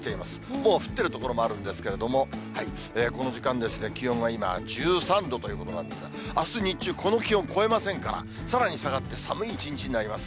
もう降ってる所もあるんですけれども、この時間ですね、気温は今１３度ということなんですが、あす日中、この気温超えませんから、さらに下がって、寒い一日になります。